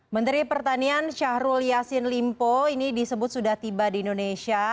menteri pertanian syahrul yassin limpo ini disebut sudah tiba di indonesia